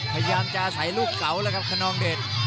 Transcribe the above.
พยายามจะใส่ลูกเก๋าแล้วครับคนนองเดช